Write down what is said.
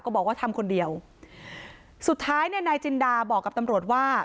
บอกว่าทำคนเดียวสุดท้ายเนี่ยนายจินดาบอกกับตำรวจว่า